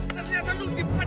ternyata lo dipecat